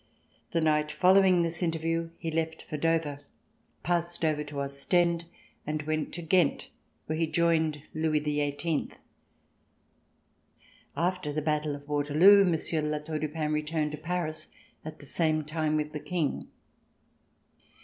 The night following this interview, he left for Dover, passed over to Ostende and went to Ghent where he joined Louis XVIIL After the battle of Waterloo, Monsieur de La Tour du Pin returned to Paris, at the same time with the King.